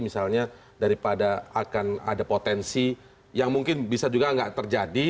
misalnya daripada akan ada potensi yang mungkin bisa juga nggak terjadi